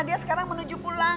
dia sekarang menuju pulang